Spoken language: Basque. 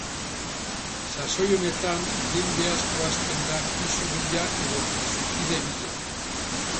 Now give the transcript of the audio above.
Sasoi honetan jende asko hasten da pisu bila edo pisukide bila.